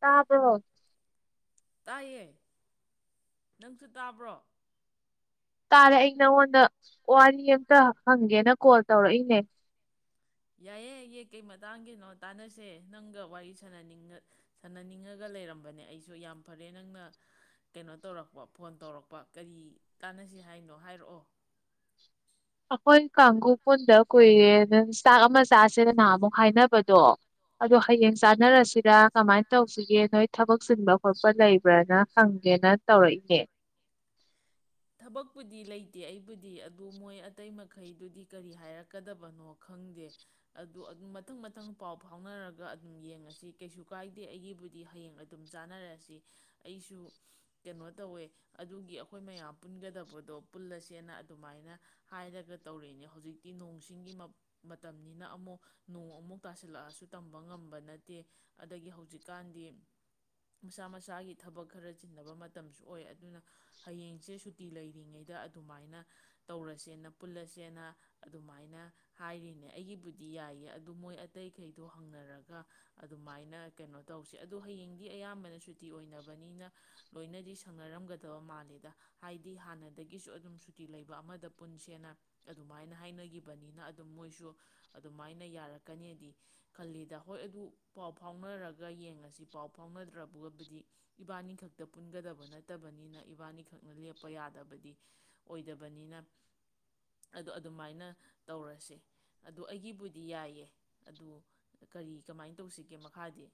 ꯇꯕ꯭ꯔꯣ ꯇꯥꯏꯌꯦ ꯅꯪꯁꯨ ꯇꯥꯕ꯭ꯔꯣ ꯇꯥꯔꯦ ꯑꯩ ꯅꯪꯉꯣꯟꯗ ꯋꯥꯔꯤ ꯑꯝꯇ ꯍꯪꯒꯦꯅ ꯀꯣꯜ ꯇꯧꯔꯛꯏꯅꯦ ꯌꯥꯏꯌꯦ ꯌꯦ ꯀꯩ ꯃꯇꯥꯡꯒꯤꯅꯣ ꯇꯥꯟꯅꯁꯦ ꯅꯪꯒ ꯋꯥꯔꯤꯁꯨ ꯁꯅ ꯁꯥꯟꯅꯅꯤꯡꯉꯒ ꯂꯩꯔꯝꯕꯅꯦ ꯑꯩꯁꯨ ꯌꯥꯝ ꯐꯔꯦ ꯅꯪꯅ ꯀꯩꯅꯣ ꯇꯧꯔꯛꯄ ꯐꯣꯟ ꯇꯧꯔꯛꯄ ꯀꯔꯤ ꯇꯥꯅꯁꯤ ꯍꯥꯏꯅꯣ ꯍꯥꯏꯔꯛꯑꯣ ꯑꯩꯈꯣꯏ ꯀꯥꯡꯒꯨ ꯄꯨꯟꯗ ꯀꯨꯏꯔꯦ ꯅ ꯆꯥꯛ ꯑꯃ ꯆꯥꯁꯦꯅ ꯅꯍꯥꯟꯃꯨꯛ ꯍꯥꯏꯅꯕꯗꯣ ꯑꯗꯣ ꯍꯌꯦꯡ ꯆꯥꯅꯔꯁꯤꯔꯥ ꯀꯃꯥꯏ ꯇꯧꯁꯤꯒꯦ ꯅꯣꯏ ꯊꯕꯛ ꯆꯤꯟꯕ ꯈꯣꯠꯄ ꯂꯩꯕ꯭ꯔꯥꯅ ꯍꯪꯒꯦꯅ ꯇꯧꯔꯛꯏꯅꯦ ꯊꯕꯛꯄꯨꯗꯤ ꯂꯩꯇꯦ ꯑꯩꯕꯨꯗꯤ ꯑꯗꯨ ꯃꯣꯏ ꯑꯇꯩ ꯃꯈꯩꯗꯨꯗꯤ ꯀꯔꯤ ꯍꯥꯏꯔꯛꯀꯗꯕꯅꯣ ꯈꯪꯗꯦ ꯑꯗꯨ ꯑꯗꯨꯝ ꯃꯊꯪ ꯃꯊꯪ ꯄꯥꯎ ꯐꯥꯎꯅꯔꯒ ꯑꯗꯨꯝ ꯌꯦꯡꯉꯁꯤ ꯀꯩꯁꯨ ꯀꯥꯏꯗꯦ ꯑꯩꯒꯤꯕꯨꯗꯤ ꯍꯌꯦꯡ ꯑꯗꯨꯝ ꯆꯥꯟꯅꯔꯁꯤ ꯑꯩꯁꯨ ꯀꯩꯅꯣ ꯇꯧꯋꯦ ꯑꯗꯨꯒꯤ ꯑꯈꯣꯏ ꯃꯌꯥꯝ ꯄꯨꯟꯒꯗꯕꯗꯣ ꯄꯨꯜꯂꯁꯦꯅ ꯑꯗꯨꯃꯥꯏꯅ ꯍꯥꯏꯔꯒ ꯇꯧꯔꯤꯅꯦ ꯍꯧꯖꯤꯛꯇꯤ ꯅꯣꯡꯆꯤꯡꯒꯤ ꯃꯇꯝꯅꯤꯅ ꯑꯃꯨꯛ ꯅꯣꯡ ꯑꯃꯨꯛ ꯇꯁꯤꯜꯂꯛꯑꯁꯨ ꯇꯝꯕ ꯉꯝꯕ ꯅꯠꯇꯦ ꯑꯗꯒꯤ ꯍꯧꯖꯤꯛꯀꯥꯟꯗꯤ ꯃꯁꯥ ꯃꯁꯥꯒꯤ ꯊꯕꯛ ꯈꯔ ꯆꯤꯟꯅꯕ ꯃꯇꯝꯁꯨ ꯑꯣꯏ ꯑꯗꯨꯅ ꯍꯌꯦꯡꯁꯦ ꯁꯨꯠ ꯁꯨꯇꯤ ꯂꯩꯔꯤꯉꯩꯗ ꯑꯗꯨꯃꯥꯏꯅ ꯇꯧꯔꯁꯦꯅ ꯄꯨꯜꯂꯁꯦꯅ ꯑꯗꯨꯃꯥꯏꯅ ꯍꯥꯏꯔꯤꯅꯦ ꯑꯩꯒꯤꯕꯨꯗꯤ ꯌꯥꯏꯌꯦ ꯑꯗꯨ ꯃꯣꯏ ꯑꯇꯩꯈꯩꯗꯣ ꯍꯪꯅꯔꯒ ꯑꯗꯨꯃꯥꯏꯅ ꯀꯩꯅꯣ ꯇꯧꯁꯦ ꯑꯗꯨ ꯍꯌꯦꯡꯗꯤ ꯑꯌꯥꯝꯕꯅ ꯁꯨꯇꯤ ꯑꯣꯏꯅꯕꯅꯤꯅ ꯂꯣꯏꯅꯗꯤ ꯁꯪꯅꯔꯝꯒꯗꯕ ꯃꯥꯜꯂꯤꯗ ꯍꯥꯏꯗꯤ ꯍꯥꯟꯅꯗꯒꯤꯁꯨ ꯑꯗꯨꯝ ꯁꯨꯇꯤ ꯂꯩꯕ ꯑꯃꯗ ꯄꯨꯟꯁꯦꯅ ꯑꯗꯨꯃꯥꯏꯅ ꯍꯥꯏꯅꯈꯤꯕꯅꯤꯅ ꯑꯗꯨꯝ ꯃꯣꯏꯁꯨ ꯑꯗꯨꯃꯥꯏꯅ ꯌꯥꯔꯛꯀꯅꯤꯗꯤ ꯈꯜꯂꯤꯗ ꯍꯣꯏ ꯑꯗꯨ ꯄꯥꯎ ꯐꯥꯎꯅꯔꯒ ꯌꯦꯡꯉꯁꯤ ꯄꯥꯎ ꯐꯥꯎꯅꯗ꯭ꯔꯥꯒꯕꯨꯗꯤ ꯏꯕꯥꯅꯤ ꯈꯛ ꯇ ꯄꯨꯟꯒꯗꯕ ꯅꯠꯇꯕꯅꯤꯅ ꯏꯕꯥꯅꯤꯈꯛ ꯂꯦꯞꯄ ꯌꯥꯗꯕꯗꯤ ꯑꯣꯏꯗꯕꯅꯤꯅ ꯑꯗꯣ ꯑꯗꯨꯃꯥꯏꯅ ꯇꯧꯔꯁꯦ ꯑꯗꯣ ꯑꯩꯒꯤꯕꯨꯗꯤ ꯌꯥꯏꯌꯦ ꯑꯗꯨ ꯀꯔꯤ ꯀꯃꯥꯏꯅ ꯇꯧꯁꯤꯒꯦ ꯃꯈꯥꯗꯤ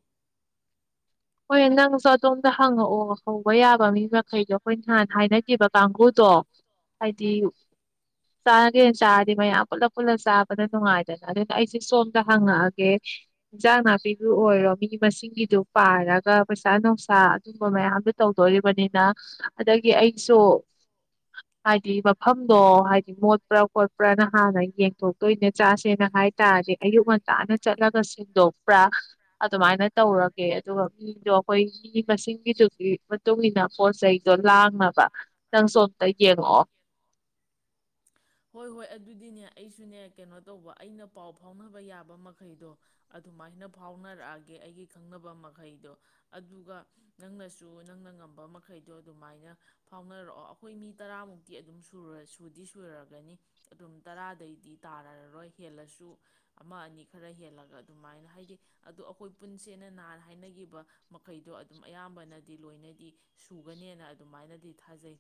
ꯍꯣꯏ ꯅꯪꯁꯨ ꯑꯗꯣꯝꯗ ꯍꯪꯉꯛꯑꯣ ꯍꯧꯕ ꯌꯥꯕ ꯃꯤ ꯃꯈꯩꯗꯣ ꯑꯩꯈꯣꯏ ꯅꯍꯥꯟ ꯍꯥꯏꯅꯈꯤꯕ ꯀꯥꯡꯕꯨꯗꯣ ꯍꯥꯏꯗꯤ ꯆꯥꯒꯦꯅ ꯆꯥꯔꯗꯤ ꯃꯌꯥꯝ ꯄꯨꯂꯞ ꯄꯨꯂꯞ ꯆꯥꯕꯅ ꯅꯨꯡꯉꯥꯏꯗꯅ ꯑꯗꯨꯅ ꯑꯩꯁꯨ ꯁꯣꯝꯗ ꯍꯪꯉꯛꯑꯒꯦ ꯏꯟꯖꯥꯡ ꯅꯥꯄꯤꯗꯨ ꯑꯣꯏꯔꯣ ꯃꯤ ꯃꯁꯤꯡꯒꯤꯗꯨ ꯄꯥꯔꯒ ꯄꯩꯁꯥ ꯅꯨꯡꯁꯥ ꯑꯗꯨꯝꯕ ꯃꯌꯥꯝꯗꯨ ꯇꯧꯗꯧꯔꯤꯕꯅꯤꯅ ꯑꯗꯒꯤ ꯑꯩꯁꯨ ꯍꯥꯏꯗꯤ ꯃꯐꯝꯗꯣ ꯍꯥꯏꯗꯤ ꯃꯣꯠꯄ꯭ꯔꯥ ꯈꯣꯠꯄ꯭ꯔꯥꯅ ꯍꯥꯟꯅ ꯌꯦꯡꯊꯣꯛꯇꯣꯏꯅꯦ ꯆꯥꯁꯦꯅ ꯍꯥꯏ ꯇꯔꯗꯤ ꯑꯌꯨꯛ ꯉꯟꯇꯥꯅ ꯆꯠꯂꯒ ꯁꯦꯡꯗꯣꯛꯄ꯭ꯔꯥ ꯑꯗꯨꯃꯥꯏꯅ ꯇꯧꯔꯒ ꯑꯣꯀ‌ꯦꯏ ꯑꯗꯨꯒ ꯃꯤꯗꯣ ꯑꯩꯈꯣꯏ ꯃꯤ ꯃꯁꯤꯡꯒꯤꯗꯨꯒꯤ ꯃꯇꯨꯡꯏꯟꯅ ꯄꯣꯠ ꯆꯩꯩꯗꯣ ꯂꯥꯡꯅꯕ ꯅꯪꯁꯨ ꯑꯝꯇ ꯌꯦꯡꯉꯛꯑꯣ ꯍꯣꯏ ꯍꯣꯏ ꯑꯗꯨꯗꯤꯅꯦ ꯑꯩꯁꯨꯅꯦ ꯀꯩꯅꯣ ꯇꯧꯕ ꯑꯩꯅ ꯄꯥꯎ ꯐꯥꯎꯅꯕ ꯌꯥꯕ ꯃꯈꯩꯗꯣ ꯑꯗꯨꯃꯥꯏꯅ ꯐꯥꯎꯅꯔꯛꯑꯒꯦ ꯑꯩꯒꯤ ꯈꯪꯅꯕ ꯃꯈꯩꯗꯣ ꯑꯗꯨꯒ ꯅꯪꯅꯁꯨ ꯅꯪꯅ ꯉꯝꯕ ꯃꯈꯩꯗꯣ ꯑꯗꯨꯃꯥꯏꯅ ꯐꯥꯎꯅꯔꯛꯑꯣ ꯑꯩꯈꯣꯏ ꯃꯤ ꯇꯔꯥꯃꯨꯛꯇꯤ ꯑꯗꯨꯝ ꯁꯨ ꯨꯔ ꯁꯨꯗꯤ ꯁꯨꯔꯒ ꯑꯗꯨꯝ ꯇꯔꯥꯗꯩꯗꯤ ꯇꯥꯔꯔꯔꯣꯏ ꯍꯦꯜꯂꯁꯨ ꯑꯃ ꯑꯅꯤ ꯈꯔ ꯍꯦꯜꯂꯒ ꯑꯗꯨꯃꯥꯏꯅ ꯍꯥꯏꯗꯤ ꯑꯗꯨꯗꯣ ꯑꯩꯈꯣꯏ ꯄꯨꯟꯁꯦꯅ ꯅꯥꯍꯟ ꯍꯥꯏꯅꯈꯤꯕ ꯃꯈꯩꯗꯣ ꯑꯗꯨꯝ ꯑꯌꯥꯝꯕꯅꯗꯤ ꯂꯣꯏꯅꯗꯤ ꯁꯨꯒꯅꯦꯅ ꯑꯗꯨꯃꯥꯏꯅꯗꯤ ꯊꯥꯖꯩ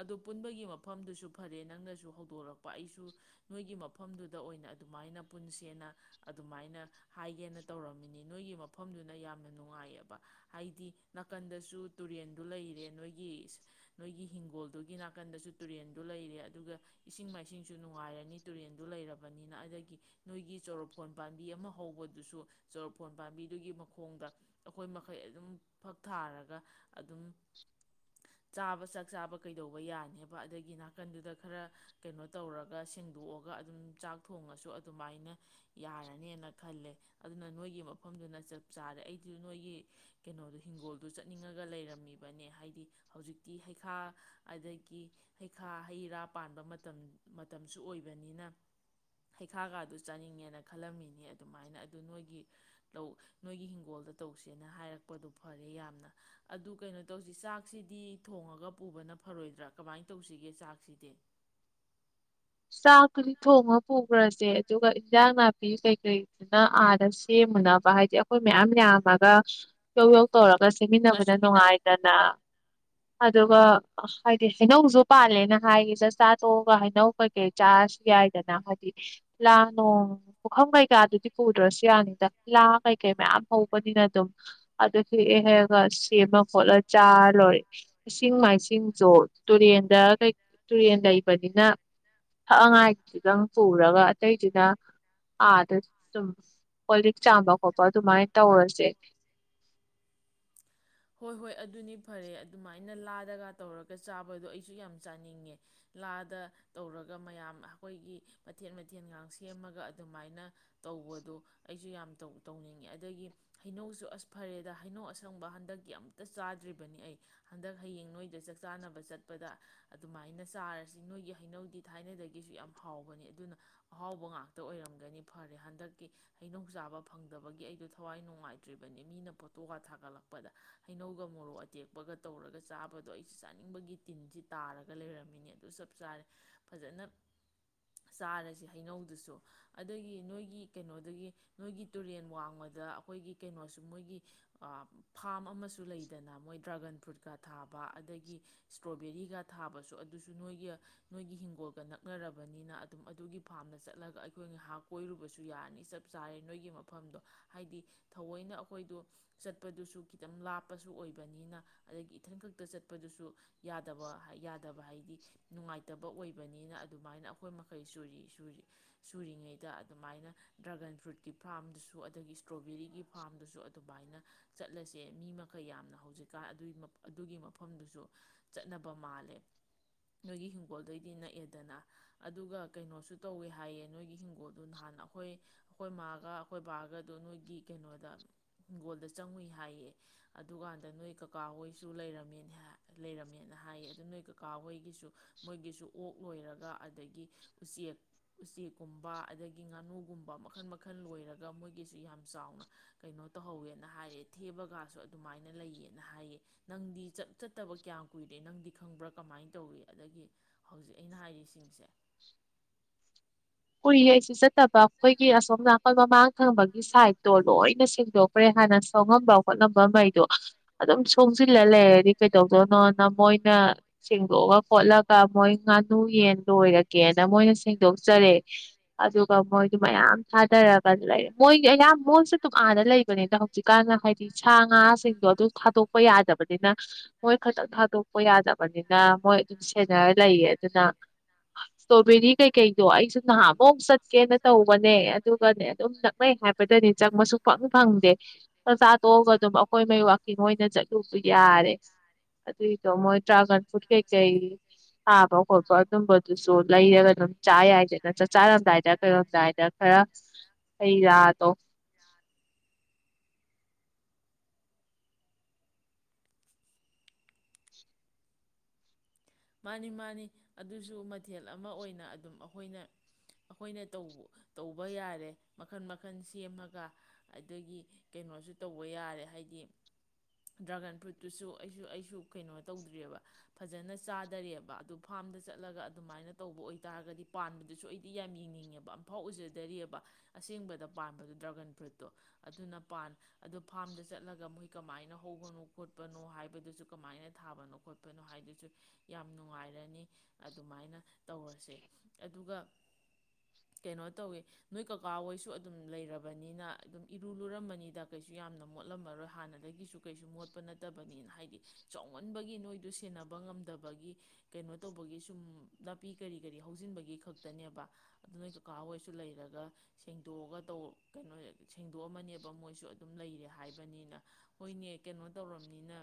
ꯑꯗꯨ ꯄꯨꯟꯕꯒꯤ ꯃꯐꯝꯗꯨꯁꯨ ꯐꯔꯦ ꯅꯪꯅꯁꯨ ꯍꯧ ꯍꯧꯗꯣꯔꯛꯄ ꯑꯩꯁꯨ ꯅꯣꯏꯒꯤ ꯃꯐꯝꯗꯨꯗ ꯑꯣꯏꯅ ꯑꯗꯨꯃꯥꯏꯅ ꯄꯨꯟꯁꯦꯅ ꯑꯗꯨꯃꯥꯏꯅ ꯍꯥꯏꯒꯦꯅ ꯇꯧꯔꯝꯃꯤꯅꯤ ꯅꯣꯏꯒꯤ ꯃꯐꯝꯗꯨꯅ ꯌꯥꯝꯅ ꯅꯨꯡꯉꯥꯏꯌꯦꯕ ꯍꯥꯏꯗꯤ ꯅꯥꯀꯟꯗꯁꯨ ꯇꯨꯔꯦꯟꯗꯨ ꯂꯩꯔꯦ ꯅꯣꯏꯒꯤ ꯅꯣꯏꯒꯤ ꯍꯤꯡꯒꯣꯜꯗꯨꯒꯤ ꯅꯥꯀꯟꯗꯁꯨ ꯇꯨꯔꯦꯟꯗꯨ ꯂꯩꯔꯦ ꯑꯗꯨꯒ ꯄꯨ ꯏꯁꯤꯡ ꯃꯥꯏꯁꯤꯡꯁꯨ ꯅꯨꯡꯉꯥꯏꯔꯅꯤ ꯇꯨꯔꯦꯟꯗꯨ ꯂꯩꯔꯕꯅꯤꯅ ꯑꯗꯒꯤ ꯅꯣꯏꯒꯤ ꯆꯣꯔꯣꯐꯣꯟ ꯄꯥꯝꯕꯤ ꯑꯃ ꯍꯧꯕꯗꯨꯁꯨ ꯆꯣꯔꯣꯛꯐꯣꯟ ꯄꯥꯝꯕꯤꯗꯨꯒꯤ ꯃꯈꯣꯡꯗ ꯑꯩꯈꯣꯏ ꯃꯈꯩ ꯑꯗꯨꯝ ꯐꯛ ꯊꯥꯔꯒ ꯑꯗꯨꯝ ꯆꯥꯕ ꯆꯥꯛ ꯆꯥꯕ ꯀꯩꯗꯧꯕ ꯌꯥꯅꯦꯕ ꯑꯗꯒꯤ ꯅꯥꯀꯟꯗꯨꯗ ꯈꯔ ꯀꯩꯅꯣ ꯇꯧꯔꯒ ꯁꯦꯡꯗꯣꯛꯑꯒ ꯑꯗꯨꯝ ꯆꯥꯛ ꯊꯣꯡꯉꯁꯨ ꯑꯗꯨꯃꯥꯏꯅ ꯌꯥꯔꯅꯦꯅ ꯈꯜꯂꯦ ꯑꯗꯨꯅ ꯅꯣꯏꯒꯤ ꯃꯐꯝꯗꯨꯅ ꯆꯞ ꯆꯥꯔꯦ ꯑꯩꯗꯨ ꯅꯣꯏꯒꯤ ꯀꯩꯅꯣꯗꯣ ꯍꯤꯡꯒꯣꯜꯗꯨ ꯆꯠꯅꯤꯡꯉꯒ ꯂꯩꯔꯝꯃꯤꯕꯅꯦ ꯍꯥꯏꯗꯤ ꯍꯧꯖꯤꯛꯇꯤ ꯍꯩꯈꯥ ꯑꯗꯒꯤ ꯍꯩꯈꯥ ꯍꯩ ꯔꯥ ꯄꯥꯟꯕ ꯃꯇꯝ ꯃꯇꯝ ꯃꯇꯝꯁꯨ ꯑꯣꯏꯕꯅꯤꯅ ꯍꯩꯈꯥꯒꯥꯗꯨ ꯆꯥꯅꯤꯡꯉꯦꯅ ꯈꯜꯂꯝꯃꯤꯅꯤ ꯑꯗꯨꯃꯥꯏꯅ ꯑꯗꯨ ꯅꯣꯏꯒꯤ ꯇꯧ ꯅꯣꯏꯒꯤ ꯍꯪꯒꯣꯜꯗ ꯇꯧꯁꯦꯅ ꯍꯥꯏꯔꯛꯄꯗꯨ ꯐꯔꯦ ꯌꯥꯝꯅ ꯑꯗꯨ ꯀꯩꯅꯣ ꯇꯧꯁꯤ ꯆꯥꯛꯁꯤꯗꯤ ꯊꯣꯡꯉꯒ ꯄꯨꯕꯅ ꯐꯔꯣꯏꯗ꯭ꯔꯥ ꯀꯃꯥꯏ ꯇꯧꯁꯤꯒꯦ ꯆꯥꯛꯁꯤꯗꯤ ꯆꯥꯛꯇꯨꯗꯤ ꯊꯣꯡꯉ ꯄꯨꯒ꯭ꯔꯥꯁꯦ ꯑꯗꯨꯒ ꯏꯟꯖꯥꯡ ꯅꯥꯄꯤ ꯀꯩꯀꯩꯗꯨꯅ ꯑꯥꯗ ꯁꯦꯝꯃꯨꯅꯕ ꯍꯥꯏꯗꯤ ꯑꯩꯈꯣꯏ ꯃꯌꯥꯝ ꯌꯥꯝꯃꯒ ꯌꯧ ꯌꯧ ꯇꯧꯔꯛ ꯄ꯭ꯂꯁ ꯆꯃꯤꯟꯅꯕꯗ ꯅꯨꯡꯉꯥꯏꯗꯅ ꯑꯗꯨꯒ ꯍꯥꯏꯗꯤ ꯍꯩꯅꯧꯖꯨ ꯄꯥꯜꯂꯦꯅ ꯍꯥꯏꯈꯤ ꯆꯥ ꯆꯥ ꯇꯣꯛꯑꯒ ꯍꯩꯅꯧ ꯍꯣꯈꯩ ꯆꯥꯔꯁꯨ ꯌꯥꯏꯗꯅ ꯍꯥꯏꯗꯤ ꯂꯥ ꯅꯣꯡ ꯄꯨꯈꯝ ꯀꯩꯀꯥꯗꯨꯗꯤ ꯄꯨꯗ꯭ꯔꯥꯁꯨ ꯌꯥꯅꯤꯗ ꯂꯥ ꯀꯩꯀꯩ ꯃꯌꯥꯝ ꯍꯧꯕꯅꯤꯅ ꯑꯗꯨꯝ ꯑꯗꯨ ꯍꯦꯛ ꯍꯥꯏꯔꯒ ꯁꯦꯝꯃ ꯈꯣꯠꯂ ꯆꯥꯔ ꯂꯣꯏꯔꯦ ꯏꯁꯤꯡ ꯃꯥꯏꯁꯤꯡꯁꯨ ꯇꯨꯔꯦꯟꯗ ꯇꯨꯔꯦꯟ ꯂꯩꯕꯅꯤꯅ ꯊꯛꯅꯉꯥꯏꯒꯤꯗꯨꯗꯪ ꯄꯨꯔꯒ ꯑꯇꯩꯗꯨꯅ ꯑꯥꯗ ꯁꯨꯝ ꯀꯣ ꯂꯤꯛ ꯆꯥꯝꯕ ꯈꯣꯠꯄ ꯑꯗꯨꯃꯥꯏꯅ ꯇꯧꯔꯁꯦ ꯑꯍꯣꯏ ꯑꯗꯨꯅꯤ ꯐꯔꯦ ꯑꯗꯨꯃꯥꯏꯅ ꯂꯥꯗꯒ ꯇꯧꯔꯒ ꯆꯥꯕꯗꯣ ꯑꯩꯁꯨ ꯌꯥꯝ ꯆꯥꯅꯤꯡꯉꯦ ꯂꯥꯗ ꯇꯧꯔꯒ ꯃꯌꯥꯝ ꯑꯩꯈꯣꯏꯒꯤ ꯃꯊꯦꯜ ꯃꯊꯦꯜꯒ ꯁꯦꯝꯃꯒ ꯑꯗꯨꯃꯥꯏꯅ ꯇꯧꯕꯗꯣ ꯑꯩꯁꯨ ꯌꯥꯝ ꯇꯧ ꯇꯧꯅꯤꯡꯉꯦ ꯑꯗꯒꯤ ꯍꯩꯅꯧꯁꯨ ꯑꯁ ꯐꯔꯦꯗ ꯍꯩꯅꯧ ꯑꯁꯪꯕ ꯍꯟꯗꯛ ꯑꯃꯨꯛꯇ ꯆꯥꯗ꯭ꯔꯤꯕꯅꯤ ꯑꯩ ꯍꯟꯗꯛ ꯍꯌꯦꯡ ꯅꯣꯏꯗ ꯆꯥꯛ ꯆꯥꯅꯕ ꯆꯠꯄꯗ ꯑꯗꯨꯃꯥꯏꯅ ꯆꯥꯔꯁꯤ ꯅꯣꯏꯒꯤ ꯍꯩꯅꯧꯗꯤ ꯊꯥꯏꯅꯗꯒꯤꯁꯨ ꯌꯥꯝ ꯍꯥꯎꯕꯅꯤ ꯑꯗꯨꯅ ꯑꯍꯥꯎꯕ ꯉꯥꯛꯇ ꯑꯣꯏꯔꯝꯒꯅꯤ ꯐꯔꯦ ꯍꯟꯗꯛꯀꯤ ꯍꯩꯅꯧ ꯆꯥꯕ ꯐꯪꯗꯕꯒꯤ ꯑꯩꯗꯣ ꯊꯋꯥꯏ ꯅꯨꯡꯉꯥꯏꯇ꯭ꯔꯤꯕꯅꯤ ꯃꯤꯅ ꯐ‌ꯣꯠꯇꯣꯒ ꯊꯥꯒꯠꯂꯛꯄꯗ ꯍꯩꯅꯧꯒ ꯃꯣꯔꯣꯛ ꯑꯇꯦꯛꯄꯒ ꯇꯧꯔꯒ ꯆꯥꯕꯗꯣ ꯑꯩꯁꯤ ꯆꯥꯅꯤꯡꯕꯒꯤ ꯇꯤꯟꯁꯤ ꯇꯥꯔꯒ ꯂꯩꯔꯝꯃꯤꯅꯤ ꯑꯗꯨ ꯆꯞ ꯆꯥꯔꯦ ꯐꯖꯅ ꯆꯥꯔꯁꯤ ꯍꯩꯅꯧꯗꯨꯁꯨ ꯑꯗꯒꯤ ꯅꯣꯏꯒꯤ ꯀꯩꯅꯣꯗꯒꯤ ꯅꯣꯏꯒꯤ ꯇꯨꯔꯦꯟ ꯋꯥꯡꯃꯗ ꯑꯩꯈꯣꯏꯒꯤ ꯀꯩꯅꯣꯁꯨ ꯃꯣꯏꯒꯤ ꯐꯥꯝ ꯑꯃꯁꯨ ꯁꯨ ꯂꯩꯗꯅ ꯃꯣꯏ ꯗ꯭ꯔꯥꯒꯟ ꯐ꯭ꯔꯨꯨꯠꯀ ꯊꯥꯕ ꯑꯗꯒꯤ ꯏꯁꯇ꯭ꯔꯣꯕꯦꯔꯤꯒ ꯊꯥꯕꯁꯨ ꯑꯗꯨꯁꯨ ꯅꯣꯏꯒꯤ ꯅꯣꯏꯒꯤ ꯍꯤꯡꯒꯣꯜꯒ ꯅꯛꯅꯔꯕꯅꯤꯅ ꯑꯗꯨꯝ ꯑꯗꯨꯒꯤ ꯐ꯭ꯥꯔꯝꯗ ꯆꯠꯂꯒ ꯑꯩꯈꯣꯏ ꯉꯥꯏꯍꯥꯛ ꯀꯣꯏꯔꯨꯕꯁꯨ ꯌꯥꯔꯅꯤ ꯆꯞ ꯆꯥꯔꯦ ꯅꯣꯏꯒꯤ ꯃꯐꯝꯗꯣ ꯍꯥꯏꯗꯤ ꯊꯑꯣꯏꯅ ꯑꯩꯈꯣꯏꯗ ꯆꯠꯄꯗꯨꯁꯨ ꯈꯤꯇꯪ ꯂꯥꯞ ꯄꯁꯨ ꯑꯣꯏꯕꯅꯤꯅ ꯑꯗꯒꯤ ꯏꯊꯟ ꯈꯛꯇ ꯆꯠꯄꯗꯨꯁꯨ ꯌꯥꯗꯕ ꯍꯥꯏ ꯌꯥꯗꯕ ꯍꯥꯏꯗꯤ ꯅꯨꯡꯉꯥꯏꯇꯕ ꯑꯣꯏꯕꯅꯤꯅ ꯑꯗꯨꯃꯥꯏꯅ ꯑꯩꯈꯣꯏ ꯃꯈꯩ ꯁꯨꯔꯤ ꯁꯨꯔꯤꯉꯩꯗ ꯑꯗꯨꯃꯥꯏꯅ ꯗ꯭ꯔꯥꯒꯟ ꯐ꯭ꯔꯨꯏꯠꯀꯤ ꯐ꯭ꯥꯔꯝꯗꯨꯁꯨ ꯑꯗꯒꯤ ꯏꯁꯇ꯭ꯔꯣꯕꯦꯔꯤꯒꯤ ꯐꯥ꯭ꯔꯝꯗꯨꯁꯨ ꯑꯗꯨꯃꯥꯏꯅ ꯆꯠꯂꯁꯦ ꯃꯤ ꯃꯛ ꯀꯌꯥꯝꯅ ꯍꯧꯖꯤꯛꯀꯥꯟ ꯑꯗꯨꯒꯤ ꯃꯐꯝ ꯑꯗꯨꯒꯤ ꯃꯐꯝꯗꯨꯁꯨ ꯆꯠꯅꯕ ꯃꯥꯜꯂꯦ ꯅꯣꯏꯒꯤ ꯍꯤꯡꯒꯣꯜꯗꯩꯗꯤ ꯅꯛꯑꯦ ꯗꯅ ꯑꯗꯨꯒ ꯀꯩꯅꯣꯁꯨ ꯇꯧꯋꯦ ꯍꯥꯏꯌꯦ ꯅꯣꯏꯒꯤ ꯍꯤꯡ [unintelligible] ꯅꯍꯥꯟ ꯑꯩꯈꯣꯏ ꯑꯈꯣꯏ ꯃꯥꯒ ꯑꯈꯣꯏ ꯕꯥꯒꯗꯨ ꯅꯣꯏꯒꯤ ꯀꯩꯅꯣꯗ ꯍꯤꯡꯒꯣꯜꯗ ꯆꯪꯉꯨꯏ ꯍꯥꯏꯌꯦ ꯑꯗꯨꯒꯥꯟꯗ ꯅꯣꯏ ꯀꯛ ꯀꯥ ꯍꯣꯏꯁꯨ ꯂꯩꯔꯝꯃꯦꯅ ꯍꯥ ꯂꯩꯔꯝꯃꯦꯅ ꯍꯥꯏꯌꯦ ꯑꯗꯨ ꯅꯣꯏ ꯀꯀꯥ ꯍꯣꯏ ꯒꯤꯁꯨ ꯃꯣꯏꯒꯤꯁꯨ ꯑꯣꯛ ꯂꯣꯏꯔꯒ ꯑꯗꯒꯤ ꯎꯆꯦꯛ ꯎꯆꯦꯛ ꯀꯨꯝꯕ ꯑꯗꯒꯤ ꯉꯥꯅꯨꯒꯨꯝꯕ ꯃꯈꯜ ꯃꯈꯜ ꯂꯣꯏꯔ ꯒ ꯃꯣꯏꯒꯤꯁꯤ ꯌꯥꯝ ꯆꯥꯎꯅ ꯀꯩꯅꯣ ꯇꯧꯍꯧꯋꯦꯅ ꯍꯥꯏꯔꯦ ꯊꯦꯕꯒꯥꯁꯨ ꯑꯗꯨꯃꯥꯏꯅ ꯂꯩꯌꯦꯅ ꯍꯥꯏꯌꯦ ꯅꯪꯗꯤ ꯆꯠ ꯆꯠꯇꯕ ꯀꯌꯥꯝ ꯀꯨꯏꯔꯦ ꯅꯪꯗꯤ ꯈꯪꯕ꯭ꯔꯥ ꯀꯃꯥꯏ ꯇꯧꯋꯤ ꯑꯗꯒꯤ ꯍꯧꯖꯤꯛ ꯑꯩꯅ ꯍꯥꯏꯔꯤꯁꯤꯡꯁꯦ [inaudible] ꯀꯨꯏꯔꯦ ꯑꯩꯁꯨ ꯆꯠꯇꯕ ꯑꯈꯣꯏꯒꯤ ꯑꯁꯣꯝ ꯅꯥꯀꯜ ꯃꯃꯥꯡ ꯊꯪꯕꯒꯤ ꯁꯥꯏꯠꯇꯣ ꯂꯣꯏꯅ ꯁꯦꯡꯗꯣꯛꯈ꯭ꯔꯦ ꯍꯥꯟꯅ ꯁꯣꯡꯉꯝꯕ ꯈꯣꯠꯂꯝꯕ ꯃꯩꯗꯣ ꯑꯗꯨꯝ ꯁꯣꯡꯖꯤꯜꯂ ꯂꯩꯔꯗꯤ ꯀꯩꯗꯧꯗꯣꯅꯣꯅ ꯃꯣꯏꯅ ꯁꯦꯡꯗꯣꯛꯑꯒ ꯈꯣꯠꯂꯒ ꯃꯣꯏ ꯉꯥꯅꯨ ꯌꯦꯟ ꯂꯣꯏꯔꯒꯦꯅ ꯃꯣꯏꯅ ꯁꯦꯡꯗꯣꯛꯆꯔꯦ ꯑꯗꯨꯒ ꯃꯣꯏꯗꯨ ꯃꯌꯥꯝ ꯊꯥꯗꯔꯒ ꯂꯩ ꯃꯣꯏ ꯑꯌꯥꯝ ꯃꯣꯏꯁꯨ ꯗꯨꯝ ꯑꯥꯗ ꯂꯩꯕꯅꯤꯗ ꯍꯧꯖꯤꯛꯀꯥꯟ ꯍꯥꯏꯗꯤ ꯁꯥ ꯉꯥꯁꯤꯡꯗꯣ ꯑꯗꯨ ꯊꯥꯗꯣꯛ ꯅꯍꯥꯃꯨꯛ ꯆꯠꯀꯦꯅ ꯇꯧꯕꯅꯦ ꯑꯗꯨꯒꯅꯦ ꯑꯗꯨꯝ ꯅꯛꯅꯩ ꯍꯥꯏꯕꯗꯅꯦ ꯆꯪꯕꯁꯨꯡꯐꯪ ꯐꯪꯗꯦ ꯆꯥꯛꯆꯥꯥ ꯇꯣꯛꯑꯒꯗꯨꯝ ꯑꯈꯣꯏꯃꯩ ꯋꯥꯛꯀꯤꯡ ꯑꯣꯏꯅ ꯆꯠꯂꯨꯕ ꯌꯥꯔꯦ ꯑꯗꯨꯏꯗꯣ ꯃꯣꯏ ꯗ꯭ꯔꯥꯒꯟ ꯐ꯭ꯔꯨꯠ ꯀꯩꯀꯩ ꯊꯥꯕ ꯈꯣꯠꯄ ꯑꯗꯨꯝꯕꯗꯨꯁꯨ ꯂꯩꯔꯒ ꯑꯗꯨꯝ ꯆꯥ ꯌꯥꯏꯗ ꯆꯥꯛꯆꯥꯔꯝꯗꯥꯏꯗ ꯀꯩꯔꯝꯗꯥꯏꯗ ꯈꯔ ꯍꯩ ꯔꯥꯗꯣ ꯃꯥꯅꯤ ꯃꯥꯅꯤ ꯑꯗꯨꯁꯨ ꯃꯊꯦꯜ ꯑꯃ ꯑꯣꯏꯅ ꯑꯗꯨꯝ ꯑꯩꯈꯣꯏꯅ ꯑꯩꯈꯣꯏꯅ ꯇꯧ ꯇꯧꯕ ꯌꯥꯔꯦ ꯃꯈꯟ ꯃꯈꯟ ꯁꯦꯝꯃꯒ ꯑꯗꯒꯤ ꯀꯩꯅꯣꯁꯨ ꯇꯧꯕ ꯌꯥꯔꯦ ꯍꯥꯏꯗꯤ ꯗ꯭ꯔꯥꯒꯟ ꯐ꯭ꯔꯨꯠꯇꯨꯁꯨ ꯑꯩꯁꯨ ꯑꯩꯁꯨ ꯀꯩꯅꯣ ꯇꯧꯗ꯭ꯔꯤꯕ ꯐꯖꯅ ꯆꯥꯗꯔꯤꯕ ꯑꯗꯨ ꯐꯥꯝꯗ ꯆꯠꯂꯒ ꯑꯗꯨꯃꯥꯏꯅ ꯇꯧꯕ ꯑꯣꯏꯇꯥꯒꯗꯤ ꯄꯥꯟꯕꯗꯨꯁꯨ ꯑꯩꯗꯤ ꯌꯥꯝ ꯌꯦꯡꯅꯤꯡꯉꯦꯕ ꯑꯝꯐꯥꯎ ꯎꯖꯗ꯭ꯔꯤꯑꯕ ꯑꯁꯦꯡꯕꯗ ꯄꯥꯟꯕꯗꯣ ꯗ꯭ꯔꯥꯒꯟ ꯐ꯭ꯔꯨꯠꯇꯣ ꯑꯗꯨꯅ ꯄꯥꯟ ꯑꯗꯨ ꯐꯥꯔꯝꯗ ꯆꯠꯂꯒ ꯃꯣꯏ ꯀꯃꯥꯏꯅ ꯍꯧꯕꯅꯣ ꯈꯣꯠꯄꯅꯣ ꯍꯥꯏꯕꯗꯨꯖꯨ ꯀꯃꯥꯏꯅ ꯊꯥꯕꯅꯣ ꯈꯣꯠꯄꯅꯣ ꯍꯥꯏꯗꯨꯁꯨ ꯌꯥꯝ ꯅꯨꯡꯉꯥꯏꯔꯅꯤ ꯑꯗꯨꯃꯥꯏꯅ ꯇꯧꯔꯁꯦ ꯑꯗꯨꯒ ꯀꯩꯅꯣ ꯇꯧꯋꯦ ꯅꯣꯏ ꯀꯀꯥ ꯍꯣꯏꯁꯨ ꯑꯗꯨꯝ ꯂꯩꯔꯕꯅꯤꯅ ꯑꯗꯨꯝ ꯏꯔꯨ ꯂꯨꯔꯝꯃꯅꯤꯗ ꯀꯩꯁꯨ ꯌꯥꯝꯅ ꯃꯣꯠꯂꯝꯃꯔꯣꯏ ꯍꯥꯟꯅꯗꯒꯤꯁꯨ ꯀꯩꯁꯨ ꯃꯣꯠꯄ ꯅꯠꯇꯕꯅꯤꯅ ꯍꯥꯏꯗꯤ ꯆꯥꯎꯃꯟꯕꯒꯤ ꯅꯣꯏꯗꯨ ꯁꯦꯟꯅꯕ ꯉꯝꯗ ꯕꯒꯤ ꯀꯩꯅꯣ ꯇꯧꯕꯒꯤ ꯁꯨꯝ ꯅꯥꯄꯤ ꯀꯔꯤ ꯀꯔꯤ ꯍꯧꯖꯤꯟꯕꯒꯤ ꯈꯛꯇꯅꯦꯕ ꯑꯗꯨ ꯅꯣꯏ ꯀꯀꯥ ꯍꯣꯏꯁꯨ ꯂꯩꯔꯒ ꯁꯦꯡꯗꯣꯛꯑꯒ ꯇꯧ ꯀꯩꯅꯣ ꯁꯦꯡꯗꯣꯛꯑꯝꯃꯅꯦꯕ ꯃꯣꯏꯁꯨ ꯑꯗꯨꯝ ꯂꯩꯔꯦ ꯍꯥꯏꯕꯅꯤꯅ ꯍꯣꯏꯅꯦ ꯀꯩꯅꯣ ꯇꯧꯔꯝꯅꯤꯅ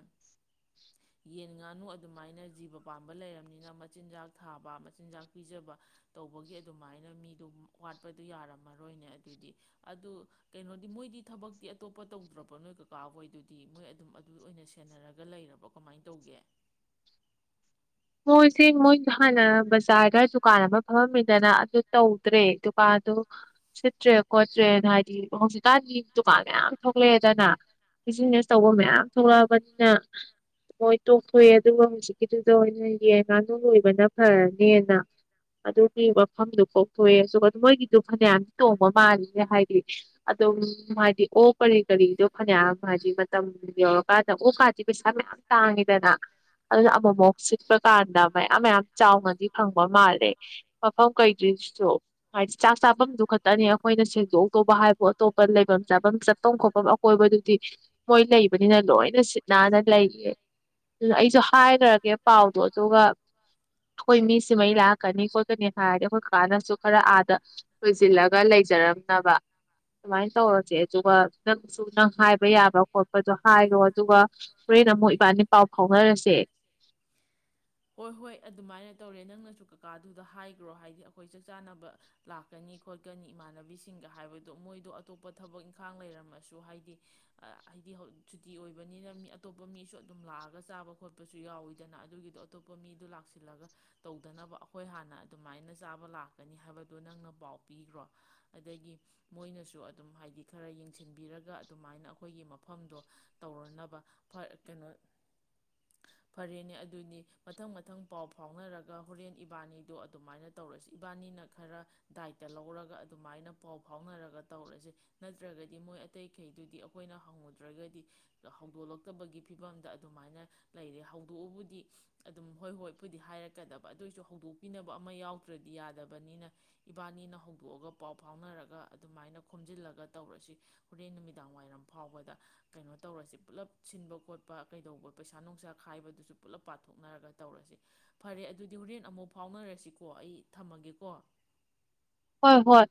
ꯌꯦꯟ ꯉꯥꯅꯨ ꯑꯗꯨꯃꯥꯏꯅꯖꯤ ꯂꯨꯄꯥꯝ [inaudible] ꯕꯂꯩꯔꯝꯅꯤꯅ ꯃꯆꯤꯟꯖꯥꯛ ꯊꯥꯕ ꯃꯆꯤꯟꯖꯥꯛ ꯄꯤꯖꯕ ꯇꯧꯕꯒꯤ ꯑꯗꯨꯃꯥꯏꯅ ꯃꯤ ꯗꯨꯝ ꯋꯥꯠꯄꯗꯨ ꯌꯥꯔꯝꯃꯔꯣꯏꯅꯦ ꯑꯗꯨꯗꯤ ꯑꯗꯨ ꯀꯩꯅꯣ ꯃꯣꯏꯗꯤ ꯊꯕꯛꯇꯤ ꯑꯇꯣꯞꯄ ꯇꯧꯗ꯭ꯔꯕ ꯅꯣꯏ ꯀꯀꯥ ꯍꯣꯏꯗꯨꯗꯤ ꯃꯣꯏ ꯑꯗꯨꯝ ꯑꯗꯨ ꯑꯣꯏꯅ ꯁꯦꯟꯅꯔꯒ ꯂꯩꯔꯕ ꯀꯃꯥꯏ ꯇꯧꯒꯦ ꯃꯣꯏꯁꯦ ꯃꯣꯏ ꯍꯥꯟꯅ ꯕꯖꯥꯔꯒ ꯗꯨꯀꯥꯟ ꯑꯃ ꯐꯝꯃꯝꯃꯤꯗꯅ ꯑꯗꯨ ꯇꯧꯗ꯭ꯔꯦ ꯗꯨꯀꯥꯟꯗꯨ ꯁꯤꯠꯇ꯭ꯔꯦ ꯈꯣꯠꯇ꯭ꯔꯦ ꯍꯥꯏꯗꯤ ꯍꯧꯖꯤꯛꯀꯥꯟꯗꯤ ꯗꯨꯀꯥꯟ ꯃꯌꯥꯝ ꯊꯣꯛꯂꯛꯑꯦꯗꯅ ꯕꯤꯖꯤꯅꯦꯁ ꯇꯧꯕ ꯃꯌꯥꯝ ꯊꯣꯛꯂꯑꯕꯅꯤꯅ ꯃꯣꯏ ꯇꯣꯛꯊꯣꯛꯑꯦ ꯑꯗꯨꯒ ꯍꯧꯖꯤꯛꯀꯤꯗꯨꯗ ꯑꯣꯏ ꯌꯦꯟ ꯉꯥꯅꯨ ꯂꯣꯏꯕꯅ ꯐꯔꯅꯦꯅ ꯑꯗꯨꯒꯤ ꯃꯐꯝꯗꯣ ꯀꯣꯛꯊꯣꯛꯑꯦ [unintelligible] ꯃꯣꯏꯒꯤꯗꯨ ꯐꯅꯌꯥꯝ ꯇꯣꯡꯕ ꯃꯥꯜꯂꯤꯅꯦ ꯍꯥꯏꯗꯤ ꯑꯗꯨꯝ ꯍꯥꯏꯗꯤ ꯑꯣꯛ ꯀꯔꯤ ꯀꯔꯤꯗꯣ ꯐꯅꯌꯥꯝ ꯍꯥꯏꯗꯤ ꯃꯇꯝ ꯌꯧꯔꯀꯥꯟꯗ ꯑꯣꯛ ꯀꯥꯗꯤ ꯄꯩꯁꯥ ꯃꯌꯥꯝ ꯇꯥꯡꯉꯤꯗꯅ ꯑꯗꯨꯅ ꯑꯃꯨꯃꯨꯛ ꯁꯤꯠꯄ ꯀꯥꯟꯗ ꯃꯌꯥꯝ ꯃꯌꯥꯝ ꯆꯥꯎꯅꯗꯤ ꯐꯪꯕ ꯃꯥꯜꯂꯦ ꯃꯐꯝ ꯀꯩꯗꯨꯁꯨ ꯍꯥꯏꯗꯤ ꯆꯥꯛ ꯆꯥꯕꯝꯗꯨ ꯈꯛꯇꯅꯤ ꯑꯩꯈꯣꯏꯅ ꯁꯦꯡꯗꯣꯛꯎꯗꯧꯕ ꯍꯥꯏꯕꯨ ꯑꯇꯣꯞꯄ ꯂꯩꯕꯝ ꯆꯥꯕꯝ ꯆꯠꯄꯝ ꯈꯣꯐꯝ ꯑꯀꯣꯏꯕꯗꯨꯗꯤ ꯃꯣꯏ ꯂꯩꯕꯅꯤꯅ ꯂꯣꯏꯅ ꯁꯤꯠ ꯅꯥꯟꯅ ꯂꯩꯌꯦ ꯑꯗꯨꯅ ꯑꯩꯖꯨ ꯍꯥꯏꯈ꯭ꯔꯒꯦ ꯄꯥꯎꯗꯣ ꯑꯗꯨꯒ ꯑꯩꯈꯣꯏ ꯃꯤꯁꯤꯃꯩ ꯂꯥꯛꯀꯅꯤ ꯈꯣꯠꯀꯅꯤ ꯍꯥꯏꯔꯗꯤ ꯑꯩꯈꯣꯏ ꯀꯀꯥꯅꯁꯨ ꯈꯔ ꯑꯥꯗ ꯂꯣꯏꯖꯤꯜꯂꯒ ꯂꯩꯖꯔꯝꯅꯕ ꯑꯗꯨꯃꯥꯏꯅ ꯇꯧꯔꯖꯦ ꯑꯗꯨꯒ ꯅꯪꯁꯨ ꯅꯪ ꯍꯥꯏꯕ ꯌꯥꯕ ꯈꯣꯠꯄꯗꯣ ꯍꯥꯏꯔꯣ ꯑꯗꯨꯒ ꯍꯣꯔꯦꯟ ꯑꯃꯨꯛ ꯏꯕꯥꯅꯤ ꯄꯥꯎ ꯐꯥꯎꯅꯔꯁꯦ ꯍꯣꯏ ꯍꯣꯏ ꯑꯗꯨꯃꯥꯏꯅ ꯇꯧꯔꯦ ꯅꯪꯅꯁꯨ ꯀꯀꯥꯗꯨꯗ ꯍꯥꯏꯒꯔꯣ ꯍꯥꯏꯗꯤ ꯑꯩꯈꯣꯏ ꯆꯛꯆꯥꯅꯕ ꯂꯥꯛꯀꯅꯤ ꯈꯣꯠꯀꯅꯤ ꯏꯃꯥꯟꯅꯕꯤꯁꯤꯡꯒ ꯍꯥꯏꯕꯗꯣ ꯃꯣꯏꯗꯣ ꯑꯇꯣꯞꯄ ꯊꯕꯛ ꯏꯪꯈꯥꯡ ꯂꯩꯔꯝꯃꯁꯨ ꯍꯥꯏꯗꯤ ꯑꯥ ꯍꯥꯏꯗꯤ ꯇꯤ ꯑꯣꯏꯕꯅꯤꯅ ꯃꯤ ꯑꯇꯣꯞꯄ ꯃꯤꯁꯨ ꯑꯗꯨꯝ ꯂꯥꯛꯑꯒ ꯆꯥꯕ ꯈꯣꯠꯄꯁꯨ ꯌꯥꯎꯋꯤꯗꯅ ꯑꯗꯨꯒꯤꯗꯣ ꯑꯇꯣꯞꯄ ꯃꯤꯗꯨ ꯂꯥꯛꯁꯤꯜꯂꯒ ꯇꯧꯗꯅꯕ ꯑꯈꯣꯏ ꯍꯥꯟꯅ ꯑꯗꯨꯃꯥꯏꯅ ꯆꯥꯕ ꯂꯥꯛꯀꯅꯤ ꯍꯥꯏꯕꯗꯣ ꯅꯪꯅ ꯄꯥꯎ ꯄꯤꯒꯔꯣ ꯑꯗꯒꯤ ꯃꯣꯏꯅꯁꯨ ꯑꯗꯨꯝ ꯍꯥꯏꯗꯤ ꯈꯔ ꯌꯦꯡꯁꯤꯟꯕꯤꯔꯒ ꯑꯗꯨꯃꯥꯏꯅ ꯑꯩꯈꯣꯏꯒꯤ ꯃꯐꯝꯗꯣ ꯇꯧꯔꯅꯕ ꯐ ꯀꯩꯅꯣ ꯐꯔꯦꯅꯦ ꯑꯗꯨꯅꯤ ꯃꯊꯪ ꯃꯊꯪ ꯄꯥꯎ ꯐꯥꯎꯅꯔꯒ ꯍꯣꯔꯦꯟ ꯏꯕꯥꯅꯤꯗꯣ ꯑꯗꯨꯃꯥꯏꯅ ꯇꯧꯔꯁꯤ ꯏꯕꯥꯅꯤꯅ ꯈꯔ ꯗꯥꯏꯇ ꯂꯧꯔꯒ ꯑꯗꯨꯃꯥꯏꯅ ꯄꯥꯎ ꯐꯥꯎꯅꯔꯒ ꯇꯧꯔꯁꯦ ꯅꯠꯇ꯭ꯔꯒꯗꯤ ꯃꯣꯏ ꯑꯇꯩꯈꯩꯗꯨꯗꯤ ꯑꯩꯈꯣꯏꯅ ꯍꯪꯉꯨꯗ꯭ꯔꯒꯗꯤ ꯍꯧꯗꯣꯂꯛꯇꯕꯒꯤ ꯐꯤꯕꯝꯗ ꯑꯗꯨꯃꯥꯏꯅ ꯂꯩꯔꯦ ꯍꯧꯗꯣꯛꯑꯕꯨꯗꯤ ꯑꯗꯨꯝ ꯍꯣꯏ ꯍꯣꯏꯕꯨꯗꯤ ꯍꯥꯏꯔꯛꯀꯗꯕ ꯑꯗꯣꯏꯁꯨ ꯍꯧꯗꯣꯛꯄꯤꯅꯕ ꯑꯃ ꯌꯥꯎꯗ꯭ꯔꯗꯤ ꯌꯥꯗꯕꯅꯤꯅ ꯏꯕꯥꯅꯤꯅ ꯍꯧꯗꯣꯛꯑꯒ ꯄꯥꯎ ꯐꯥꯎꯅꯔꯒ ꯑꯗꯨꯃꯥꯏꯅ ꯈꯣꯝꯖꯤꯜꯂꯒ ꯇꯧꯔꯁꯤ ꯍꯣꯔꯦꯟ ꯅꯨꯃꯤꯗꯥꯡ ꯋꯥꯏꯔꯝ ꯐꯥꯎꯕꯗ ꯀꯩꯅꯣ ꯇꯧꯔꯁꯤ ꯄꯨꯜꯂꯞ ꯁꯤꯟꯕ ꯈꯣꯠꯄ ꯀꯩꯗꯧꯕ ꯄꯩꯁꯥ ꯅꯨꯡꯁꯥ ꯈꯥꯏꯕꯗꯨꯁꯨ ꯄꯨꯂꯞ ꯄꯥꯊꯣꯛꯅꯔꯒ ꯇꯧꯔꯁꯤ ꯐꯔꯦ ꯑꯗꯨꯗꯤ ꯍꯨꯔꯦꯟ ꯑꯃꯨꯛ ꯐꯥꯎꯅꯔꯁꯤꯀꯣ ꯑꯩ ꯊꯝꯃꯒꯦꯀꯣ ꯍꯣꯏ ꯍꯣꯏ